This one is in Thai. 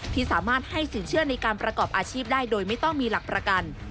ที่สามารถให้สินเชื่อในการประกอบอาชีพได้โดยไม่ต้องมีหลักประกัน